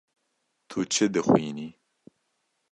Tu çi dixwînî?